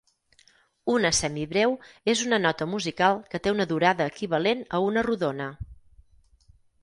Una semibreu és una nota musical que té una durada equivalent a una rodona.